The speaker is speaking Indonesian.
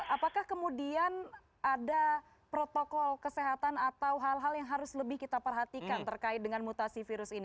apakah kemudian ada protokol kesehatan atau hal hal yang harus lebih kita perhatikan terkait dengan mutasi virus ini